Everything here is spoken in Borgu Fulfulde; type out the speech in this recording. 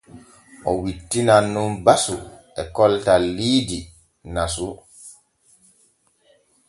O wittinan nun basu e koltal liidi nasu.